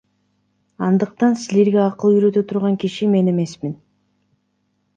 Андыктан силерге акыл үйрөтө турган киши мен эмесмин.